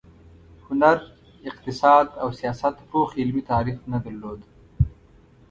هنر، اقتصاد او سیاست پوخ علمي تعریف نه درلود.